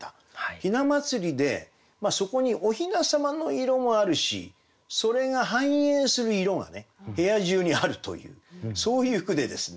雛祭でそこにお雛様の色もあるしそれが反映する色がね部屋中にあるというそういう句でですね